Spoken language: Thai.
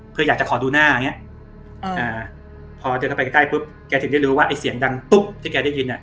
เพื่ออยากจะขอดูหน้าพอเดินเข้าไปใกล้ปุ๊บแกถึงได้รู้ว่าเสียงดังตุ๊บที่แกได้ยินอะ